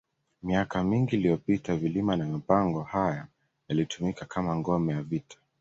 Miaka mingi iliyopita vilima na mapango haya yalitumika kama ngome ya vita